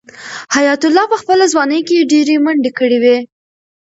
حیات الله په خپله ځوانۍ کې ډېرې منډې کړې وې.